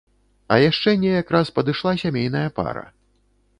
А яшчэ неяк раз падышла сямейная пара.